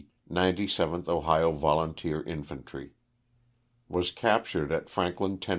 97th Ohio Volunteer Infantry. Was captured at Franklin, Tenn.